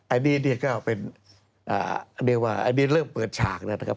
อันนี้เนี่ยก็เป็นเรื่องเปิดฉากนะครับ